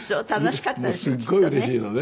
すごいうれしいのね。